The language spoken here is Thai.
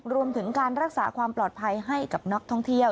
รวมถึงการรักษาความปลอดภัยให้กับนักท่องเที่ยว